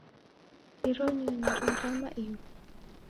Iro nyonyi rarama ighu.